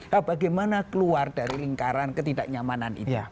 nah bagaimana keluar dari lingkaran ketidaknyamanan itu